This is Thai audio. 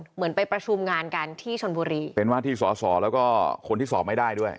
เหมือนไปประชุมงานกันที่ชนบุรีเป็นว่าที่สอสอแล้วก็คนที่สอบไม่ได้ด้วย